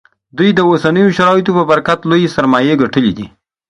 دوی د اوسنیو شرایطو په برکت لویې سرمایې ګټلې دي